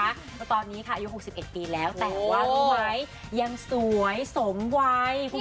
แล้วตอนนี้ค่ะอายุ๖๑ปีแล้วแต่ว่ารู้ไหมยังสวยสมวัย